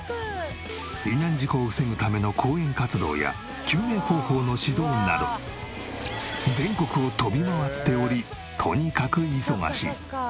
水難事故を防ぐための講演活動や救命方法の指導など全国を飛び回っておりとにかく忙しい。